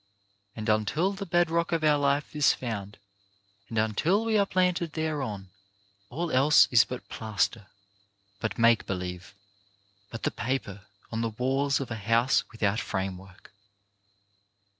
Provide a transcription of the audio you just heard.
And until the bed rock of our life is found, and until we are planted thereon, all else is but plaster, but make believe, but the paper on the walls of a house without framework.